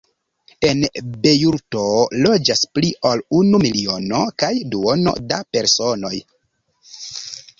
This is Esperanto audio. En Bejruto loĝas pli ol unu miliono kaj duono da personoj.